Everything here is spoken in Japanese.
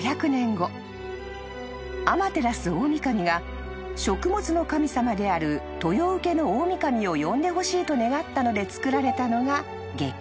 ［天照大御神が食物の神様である豊受大御神を呼んでほしいと願ったので造られたのが外宮］